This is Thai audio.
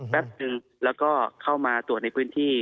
แป๊บนึงแล้วก็เข้ามาตรวจในพื้นที่